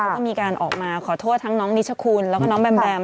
ก็มีการออกมาขอโทษทั้งน้องนิชคุณแล้วก็น้องแบมแบม